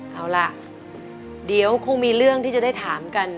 เอาล่ะเดี๋ยวคงมีเรื่องที่จะได้ถามกัน